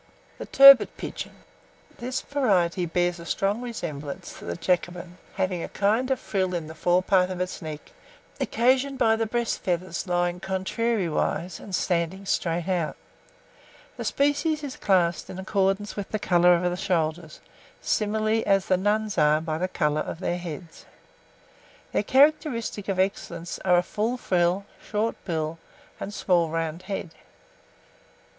[Illustration: TURBIT PIGEONS.] THE TURBIT PIGEON. This variety bears a strong resemblance to the Jacobin, having a kind of frill in the fore part of its neck, occasioned by the breast feathers lying contrariwise and standing straight out. The species is classed in accordance with the colour of the shoulders, similarly as the Nuns are by the colour of their heads. Their characteristics of excellence are a full frill, short bill, and small round head.